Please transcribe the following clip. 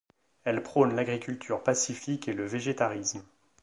Elle prône l'agriculture pacifique et le végétarisme.